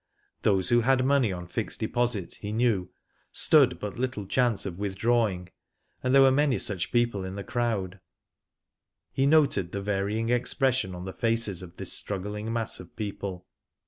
Those who had money on fixed deposit, he knew, stood but little chance of withdrawing, and there were many such people in the crowd. He noted the varying expression on the faces of this struggling mass of people.